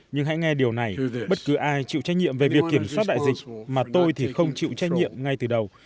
nhưng hãy nghe điều này bất cứ ai chịu trách nhiệm về việc kiểm soát đại dịch mà tôi thì không chịu trách nhiệm ngay từ đầu